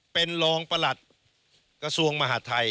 เป็นรองประหลัดกระทรวงมหาดไทย